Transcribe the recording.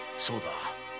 そうだ。